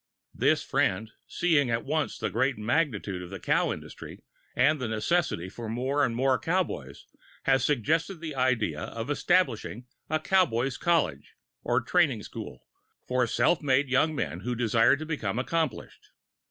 This [Pg 19]friend, seeing at once the great magnitude of the cow industry and the necessity for more and more cowboys, has suggested the idea of establishing a cowboys' college, or training school, for self made young men who desire to become accomplished.